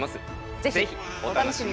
是非お楽しみに。